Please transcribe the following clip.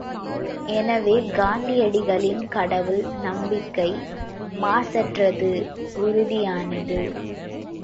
எனவே காந்தியடிகளின் கடவுள் நம்பிக்கை மாசற்றது உறுதியானது.